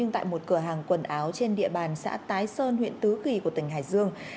tại một cửa hàng quần áo trên địa bàn xã tái sơn huyện tứ kỳ của tỉnh hải dương